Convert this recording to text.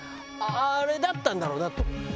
あれだったんだろうなと。